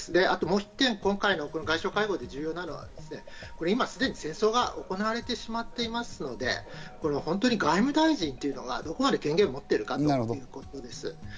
あともう１点、今回の外相会合で重要なのは、今、すでに戦争が行われてしまっていますので本当に外務大臣というのがどこまで権限を持っているかということです。